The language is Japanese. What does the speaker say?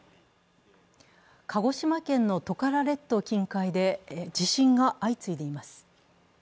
鹿児島県のトカラ列島近海で、地震が相次いでいます。